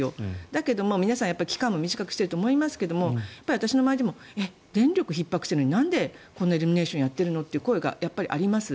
だけど、皆さん期間も短くしていると思いますが私の周りでも電力ひっ迫しているのになんでイルミネーションやってるの？という声がやっぱりあります。